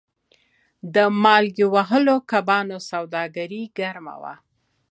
د مالګې وهلو کبانو سوداګري ګرمه وه.